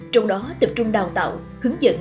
trong đó tập trung đào tạo hướng dẫn